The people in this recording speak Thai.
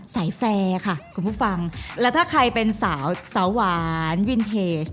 แฟร์ค่ะคุณผู้ฟังแล้วถ้าใครเป็นสาวสาวหวานวินเทจ